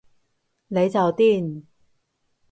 你就癲